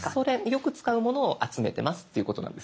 よく使うものを集めてますっていうことなんです。